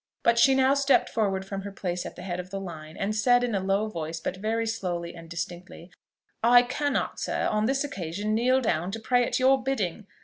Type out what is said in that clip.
But she now stepped forward from her place at the head of the line, and said in a low voice, but very slowly and distinctly, "I cannot, sir, on this occasion kneel down to pray at your bidding.